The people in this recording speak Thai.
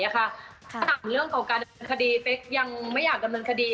อะค่ะถ้าถามเรื่องของการดำเนินคดีแป๊กยังไม่อยากดำเนินคดี